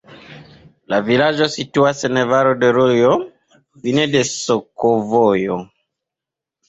La vilaĝo situas en valo de rojo, fine de sakovojo.